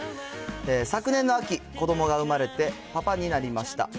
昨年の秋、子どもが生まれてパパになりました。